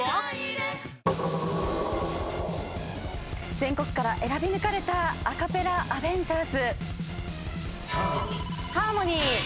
全国から選び抜かれたアカペラアベンジャーズ。